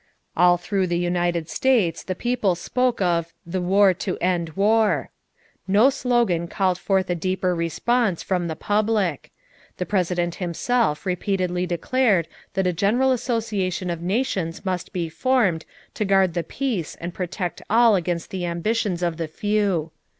All through the United States the people spoke of the "war to end war." No slogan called forth a deeper response from the public. The President himself repeatedly declared that a general association of nations must be formed to guard the peace and protect all against the ambitions of the few.